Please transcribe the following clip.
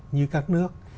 như các nước